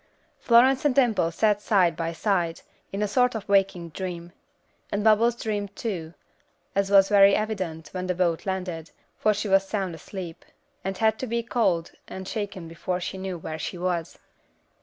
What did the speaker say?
Florence and Dimple sat side by side, in a sort of waking dream; and Bubbles dreamed too, as was very evident when the boat landed, for she was sound asleep, and had to be called and shaken before she knew where she was.